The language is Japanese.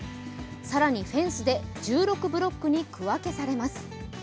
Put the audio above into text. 更にフェンスで１６ブロックに区分けされます。